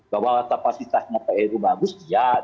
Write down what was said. bahwa kapasitasnya pak eri bagus iya